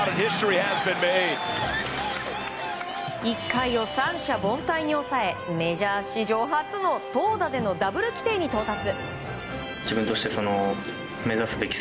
１回を三者凡退に抑えメジャー史上初の投打でのダブル規定に到達。